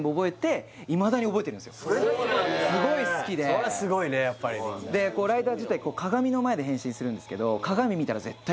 すごい好きでそれはすごいねやっぱりライダー自体こう鏡の前で変身するんですけどあ